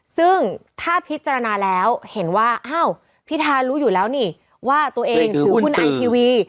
ซึ่งถ้าพิจารณาแล้วเห็นว่าอ้าวพิธารู้อยู่แล้วนี่ว่าตัวเองถือหุ้นไอทีวี